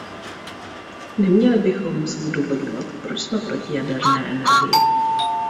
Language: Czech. Neměli bychom muset zdůvodňovat, proč jsme proti jaderné energii.